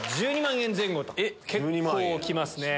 結構きますね。